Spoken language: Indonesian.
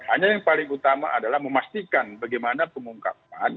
hanya yang paling utama adalah memastikan bagaimana pengungkap